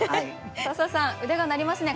笹さん腕が鳴りますね。